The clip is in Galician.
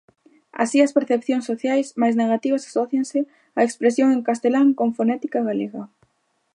Así, as percepcións sociais máis negativas asócianse á expresión en castelán con fonética galega.